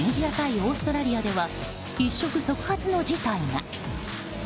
オーストラリアでは一触即発の事態が。